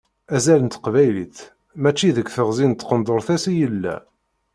Azal n teqbaylit mačči deg teɣzi n tqendurt-is i yella.